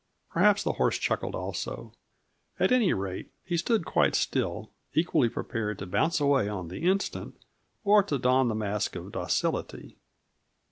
Perhaps the horse chuckled also; at any rate, he stood quite still, equally prepared to bounce away on the instant or to don the mask of docility.